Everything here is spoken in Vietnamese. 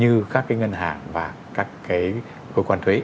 như các cái ngân hàng và các cái cơ quan thuế